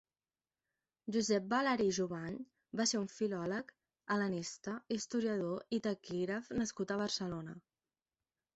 Josep Balari i Jovany va ser un filòleg, hel·lenista, historiador i taquígraf nascut a Barcelona.